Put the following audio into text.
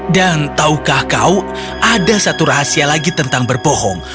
dan tahukah kau ada satu rahasia lagi tentang berbohong